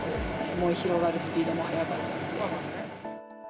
燃え広がるスピードも速かったので。